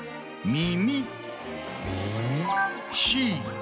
耳？